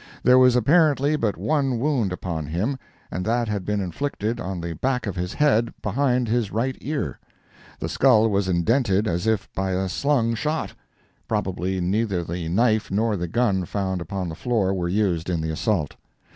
There was apparently but one wound upon him, and that had been inflicted on the back of his head, behind his right ear. The skull was indented as if by a slung shot. Probably neither the knife nor the gun found upon the floor were used in the assault.